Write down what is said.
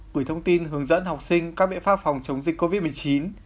gửi thông tin hướng dẫn học sinh các biện pháp phòng chống dịch covid một mươi chín